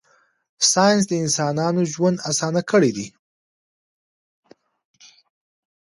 ساینس د انسانانو ژوند اسانه کړی دی.